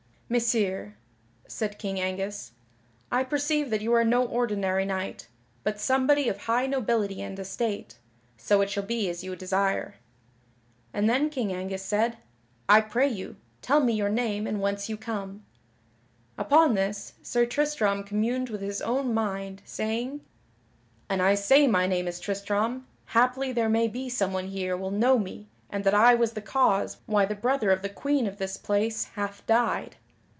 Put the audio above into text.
"Messire," said King Angus, "I perceive that you are no ordinary knight, but somebody of high nobility and estate, so it shall be as you desire." And then King Angus said: "I pray you, tell me your name and whence you come." Upon this, Sir Tristram communed within his own mind, saying: "An I say my name is Tristram, haply there may be someone here will know me and that I was the cause why the brother of the Queen of this place hath died."